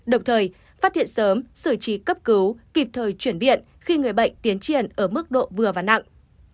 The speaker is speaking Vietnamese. đồng thời phát hiện sớm xử trí cấp cứu kịp thời chuyển viện khi người bệnh tiến triển ở mức độ vừa và nặng